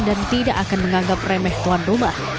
dan tidak akan menganggap remeh tuan rumah